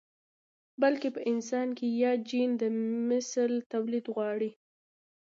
بلکې په انسان کې ياد جېن د مثل توليد غواړي.